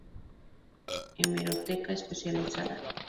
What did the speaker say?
Hemeroteca Especializada.